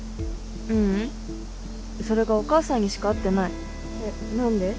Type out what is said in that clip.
ううんそれがお母さんにしか会ってないえっ何で？